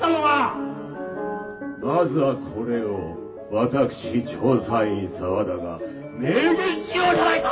まずはこれを私調査委員澤田が明言しようじゃないか！